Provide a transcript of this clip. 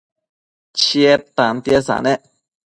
Chied tantiesa nec